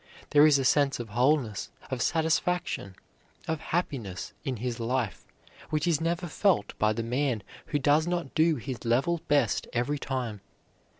There is a sense of wholeness, of satisfaction, of happiness, in his life which is never felt by the man who does not do his level best every time.